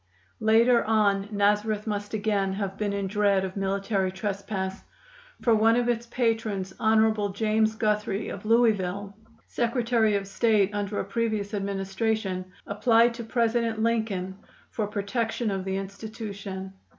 Later on Nazareth must again have been in dread of military trespass, for one of its patrons, Hon. James Guthrie, of Louisville, Secretary of State under a previous administration, applied to President Lincoln for protection for the institution.